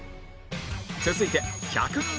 続いて１００人